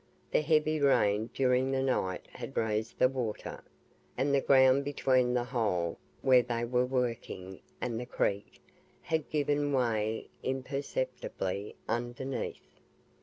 The heavy rain during the night had raised the water, and the ground between the hole where they were working and the Creek, had given way imperceptibly UNDERNEATH.